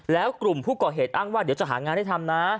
แล้วกลุ่มผู้ก่อเหตุอ้างว่าเดี๋ยวจะหางานให้ทำนะ